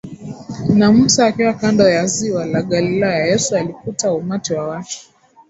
na Musa Akiwa kando ya Ziwa la Galilaya Yesu alikuta umati wa watu